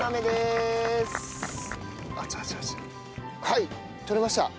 はい取れました！